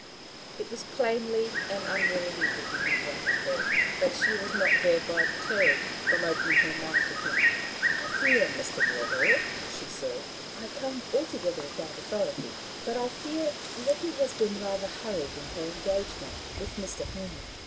It was plainly an unwilling interview he granted her, but she was not thereby deterred from opening her mind to him. "I fear, Mr. Wardour," she said, " I come altogether without authority but I fear Letty has been rather hurried in her engagement with Mr. Helmer.